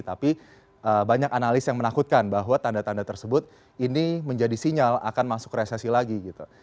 tapi banyak analis yang menakutkan bahwa tanda tanda tersebut ini menjadi sinyal akan masuk resesi lagi gitu